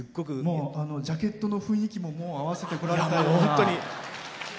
ジャケットの雰囲気も合わせているような。